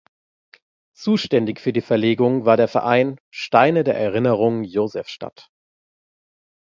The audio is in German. Zuständig für die Verlegung war der Verein „Steine der Erinnerung Josefstadt“.